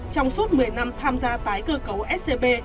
trong suốt một mươi năm tham gia tái cơ cấu scb